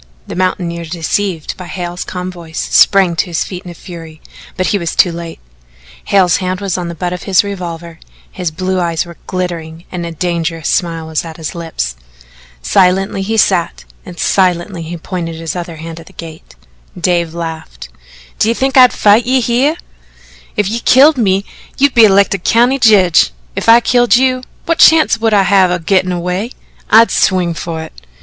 The mountaineer, deceived by Hale's calm voice, sprang to his feet in a fury, but he was too late. Hale's hand was on the butt of his revolver, his blue eyes were glittering and a dangerous smile was at his lips. Silently he sat and silently he pointed his other hand at the gate. Dave laughed: "D'ye think I'd fight you hyeh? If you killed me, you'd be elected County Jedge; if I killed you, what chance would I have o' gittin' away? I'd swing fer it."